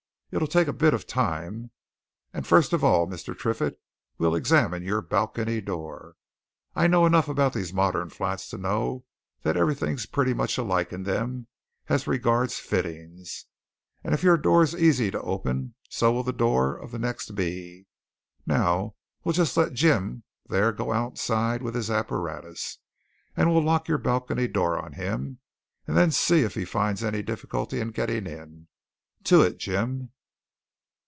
It'll take a bit of time. And first of all, Mr. Triffitt, we'll examine your balcony door I know enough about these modern flats to know that everything's pretty much alike in them as regards fittings, and if your door's easy to open, so will the door of the next be. Now we'll just let Jim there go outside with his apparatus, and we'll lock your balcony door on him, and then see if he finds any difficulty in getting in. To it, Jim!"